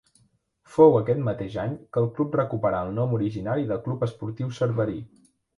Fou aquest mateix any que el club recuperà el nom originari de Club Esportiu Cerverí.